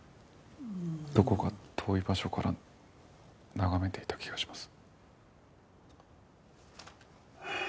どこか遠い場所から眺めていた気がします。